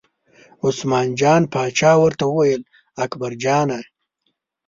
عثمان جان پاچا ورته وویل اکبرجانه!